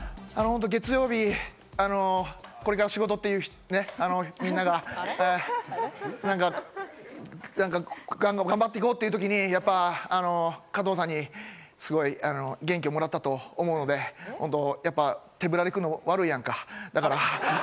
月曜日、これから仕事っていうみんなが、なんか頑張って行こうっていうときに加藤さんにすごい元気をもらったと思うので、やっぱ手ぶらで来るの悪いやんか。